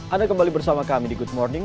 anda kembali bersama kami di good morning